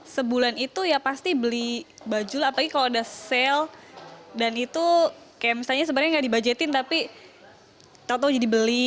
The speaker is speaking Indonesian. sebulan itu ya pasti beli baju lah apalagi kalau ada sale dan itu kayak misalnya sebenarnya nggak dibudgetin tapi tau tau jadi beli